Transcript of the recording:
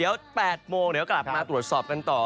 เดี๋ยว๘โมงเดี๋ยวกลับมาตรวจสอบกันต่อ